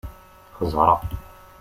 Xeẓṛeɣ.